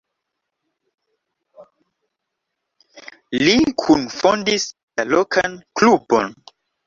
Li kunfondis la lokan klubon.